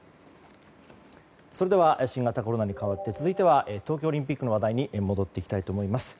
それでは新型コロナに代わって続いては東京オリンピックの話題に戻っていきたいと思います。